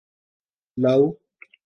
لاؤ